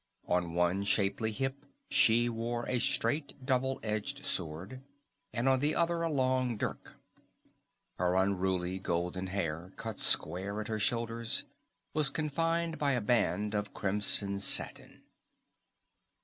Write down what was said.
On one shapely hip she wore a straight double edged sword, and on the other a long dirk. Her unruly golden hair, cut square at her shoulders, was confined by a band of crimson satin.